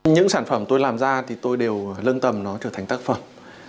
những sản phẩm tôi làm ra thì tôi đều lưng tầm nó trở thành tác phẩm